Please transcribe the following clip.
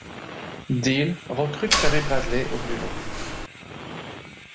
Deal recrute Carrie Bradley au violon.